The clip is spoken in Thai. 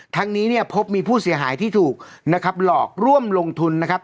ทั้งนี้เนี่ยพบมีผู้เสียหายที่ถูกนะครับหลอกร่วมลงทุนนะครับ